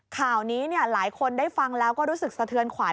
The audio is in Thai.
ข่าวนี้หลายคนได้ฟังแล้วก็รู้สึกสะเทือนขวัญ